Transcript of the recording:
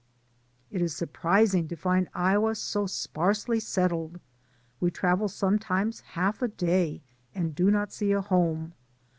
It is surprising to find Iowa so sparsely settled, we travel some times half a day and do not see a home.